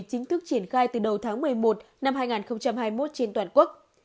chính thức triển khai từ đầu tháng một mươi một năm hai nghìn hai mươi một trên toàn quốc